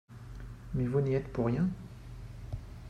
Mais vous n’y êtes pour rien